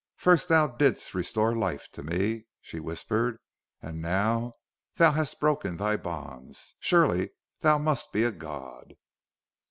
"First thou didst restore me to life," she whispered, "and now thou hast broken thy bonds. Surely, thou must be a god!"